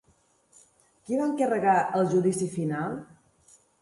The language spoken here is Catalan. Qui va encarregar El Judici Final?